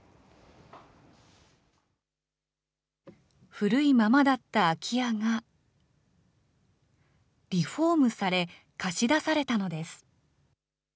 古いままだった空き家が、リフォームされ、貸し出されたのです。